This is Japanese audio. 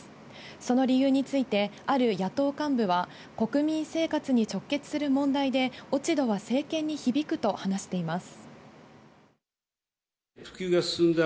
その理由について、ある野党幹部は国民生活に直結する問題で、落ち度は政権に響くと話しています。